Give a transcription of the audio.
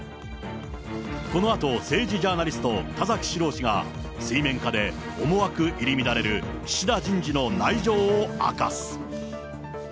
このあと政治ジャーナリスト、田崎史郎氏が水面下で思惑入り乱れる岸田人事の内情を明かす。